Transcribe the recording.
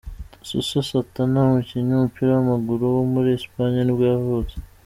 Suso Santana, umukinnyi w’umupira w’amaguru wo muri Espagne nibwo yavutse.